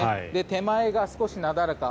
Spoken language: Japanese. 手前が少しなだらか。